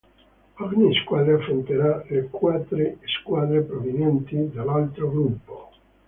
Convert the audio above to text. Ogni squadra affronterà le quattro squadre provenienti dall'altro gruppo.